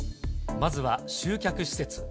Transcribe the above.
まずは集客施設。